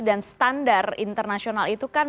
dan standar internasional itu kan